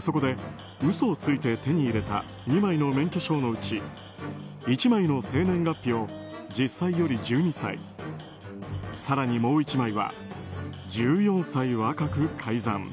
そこで嘘をついて手に入れた２枚の免許証のうち１枚の生年月日を実際より１２歳更に、もう１枚は１４歳若く改ざん。